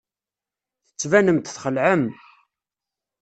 Tettbanem-d txelɛem.